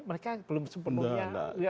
mereka belum sepenuhnya